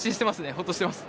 ほっとしてます。